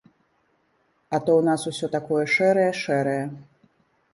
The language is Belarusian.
А то ў нас усё такое шэрае-шэрае.